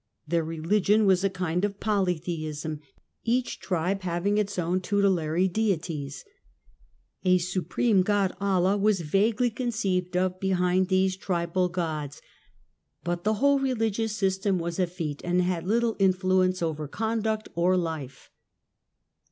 Their religion was a kind of polytheism, each tribe having its own tutelary deities. A supreme God {Allah) was vaguely conceived of behind these THE RISE OF MOHAMMEDANISM 75 tribal gods, but the whole religious system was effete and had little influence over conduct or life.